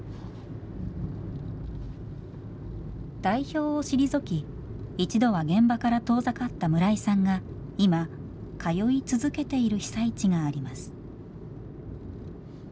代表を退き一度は現場から遠ざかった村井さんが今通い続けている被災地があります。